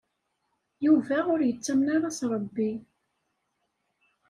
Yuba ur yettamen ara s Ṛebbi.